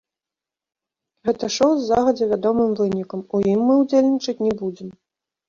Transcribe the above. Гэта шоў з загадзя вядомым вынікам, у ім мы ўдзельнічаць не будзем.